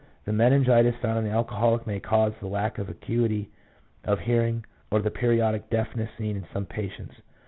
The meningitis found in the alcoholic may cause the lack of acuity of hearing or the periodic deafness seen in some patients.